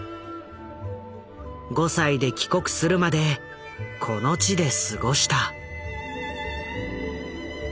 ５歳で帰国するまでこの地で過ごした。